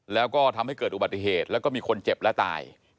แล้วก็ทำให้เกิดอุบัติเหตุแล้วก็มีคนเจ็บและตาย